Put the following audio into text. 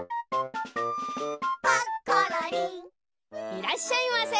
いらっしゃいませ。